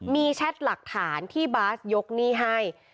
มีแชทหลักฐานที่บาสยกหนี้ให้